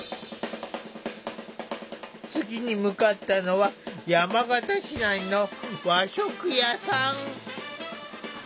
次に向かったのは山形市内の和食屋さん。